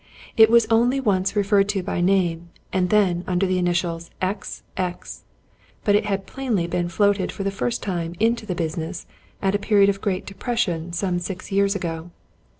It was only once referred to by name, and then under the initials " X. X. "; but it had plainly been floated for the first time into the business at a period of great de pression some six years ago.